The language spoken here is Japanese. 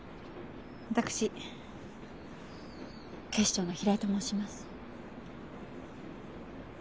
私警視庁の平井と申します。